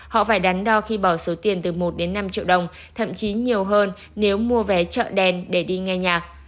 họ phải đắn đo khi bỏ số tiền từ một đến năm triệu đồng thậm chí nhiều hơn nếu mua vé chợ đen để đi nghe nhạc